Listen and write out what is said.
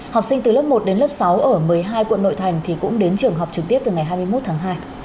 học sinh từ lớp một đến lớp sáu ở một mươi hai quận nội thành thì cũng đến trường học trực tiếp từ ngày hai mươi một tháng hai